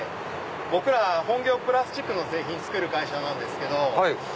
僕ら本業プラスチックの製品作る会社なんですけど。